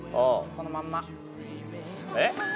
そのまんま？